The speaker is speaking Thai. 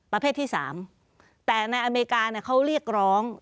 ประเภทที่๓แต่ในอเมริกาเขาเรียกร้อง